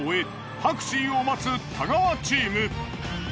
タクシーを待つ太川チーム。